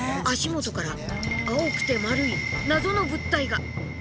足元から青くて丸い謎の物体が。